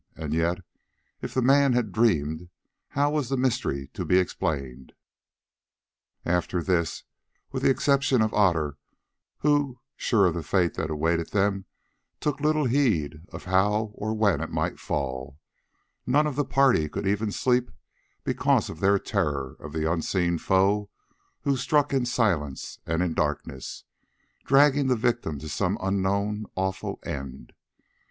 And yet, if the man had dreamed, how was the mystery to be explained? After this, with the exception of Otter, who, sure of the fate that awaited them, took little heed of how or when it might fall, none of the party could even sleep because of their terror of the unseen foe who struck in silence and in darkness, dragging the victim to some unknown awful end.